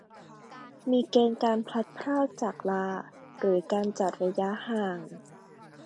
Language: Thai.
มีเกณฑ์การพลัดพรากจากลาหรือการจัดระยะห่าง